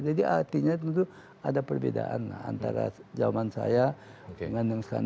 jadi artinya tentu ada perbedaan antara zaman saya dengan yang sekarang